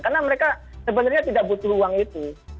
karena mereka sebenarnya tidak butuh uang itu